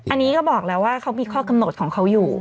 อันนี้ก็บอกแล้วว่าเขามีข้อกำหนดของเขาอยู่